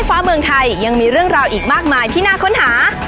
ฟ้าเมืองไทยยังมีเรื่องราวอีกมากมายที่น่าค้นหา